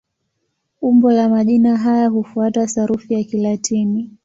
Umbo la majina haya hufuata sarufi ya Kilatini.